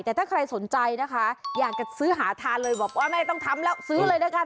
แต่ถ้าใครสนใจนะคะอยากจะซื้อหาทานเลยบอกว่าไม่ต้องทำแล้วซื้อเลยนะคะ